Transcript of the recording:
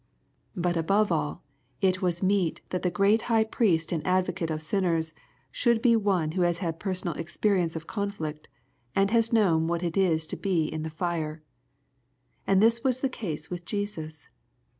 But above all, it was meet that the great High Priest and advocate of sinners should be one who has had personal experience of conflict, and has known what it is to be in the fire. And this was the case with Jesus.